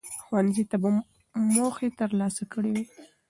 ښوونځي به موخې ترلاسه کړي وي.